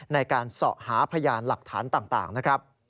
ในการเสาะหาพยานหลักฐานต่างนะครับ